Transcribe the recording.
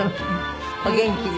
お元気で。